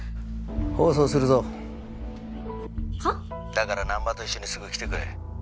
「だから南波と一緒にすぐ来てくれ」